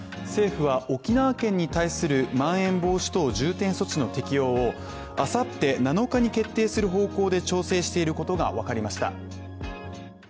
政府は、沖縄県に対するまん延防止等重点措置の適用を明後日７日に決定する方向で調整していることがわかりました。